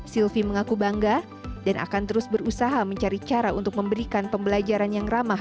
sylvi mengaku bangga dan akan terus berusaha mencari cara untuk memberikan pembelajaran yang ramah